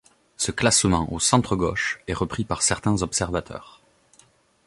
Ce classement au centre gauche est repris par certains observateurs.